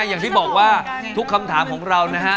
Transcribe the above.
อย่างที่บอกว่าทุกคำถามของเรานะฮะ